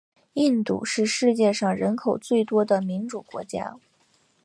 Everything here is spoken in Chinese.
印度是世界上人口最多的民主国家。